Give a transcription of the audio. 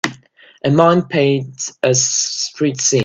A man paints a street scene.